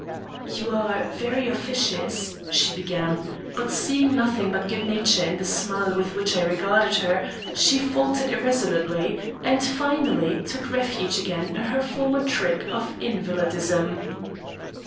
"You are very officious," she began, but, seeing nothing but good nature in the smile with which I regarded her, she faltered irresolutely, and finally took refuge again in her former trick of invalidism.